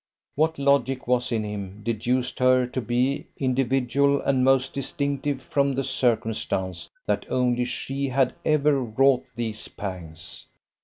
What logic was in him deduced her to be individual and most distinctive from the circumstance that only she had ever wrought these pangs.